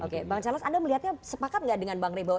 oke bang charles anda melihatnya sepakat nggak dengan bang ribo